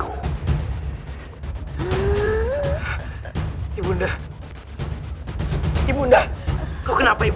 untuk memohon maaf